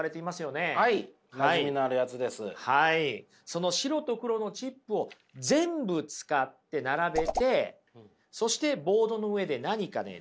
その白と黒のチップを全部使って並べてそしてボードの上で何かね